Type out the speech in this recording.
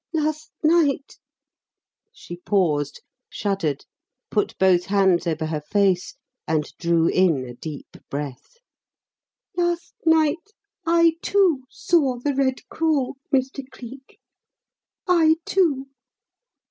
Last night" she paused, shuddered, put both hands over her face, and drew in a deep breath "last night, I, too, saw 'The Red Crawl,' Mr. Cleek I, too!"